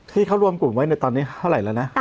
ที่เขารวมกลุ่มไว้ในตอนนี้เท่าไหร่แล้วนะ